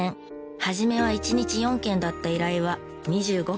初めは１日４件だった依頼は２５件に。